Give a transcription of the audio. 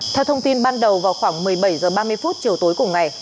theo thông tin ban đầu vào khoảng một mươi bảy h ba mươi chiều tối cùng ngày